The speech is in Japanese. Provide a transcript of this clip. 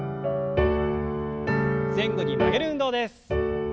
前後に曲げる運動です。